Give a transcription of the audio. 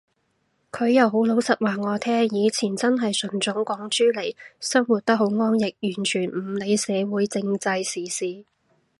佢又好老實話我聽，以前真係純種港豬嚟，生活得好安逸，完全唔理社會政制時事